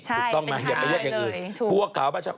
ถูกต้องมาเหยียบไปเลือกอย่างอื่น